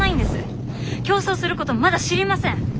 競走することもまだ知りません。